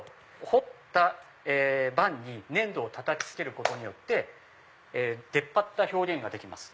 彫った板に粘土をたたきつけることによって出っ張った表現ができます。